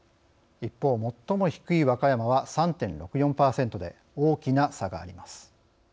一方、最も低い和歌山は３．６４％で大きな差があります。